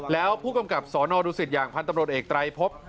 แล้วผู้กำกับสนดูสิตอย่างพันธ์ตำรวจเอกไตรพบ